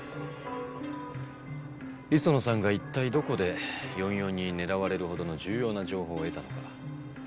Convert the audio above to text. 磯野さんが一体どこで４４に狙われるほどの重要な情報を得たのか。